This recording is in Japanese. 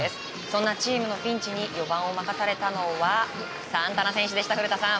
そんなチームのピンチに４番を任されたのはサンタナ選手でした、古田さん。